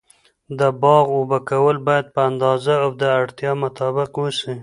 د باغ اوبه کول باید په اندازه او د اړتیا مطابق و سي.